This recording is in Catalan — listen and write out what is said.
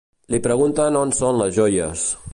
Li pregunten on són les joies.